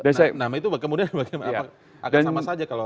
nama itu kemudian akan sama saja kalau